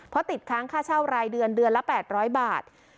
เพราะติดค้างค่าเช่ารายเดือนเดือนละ๘๐๐บาท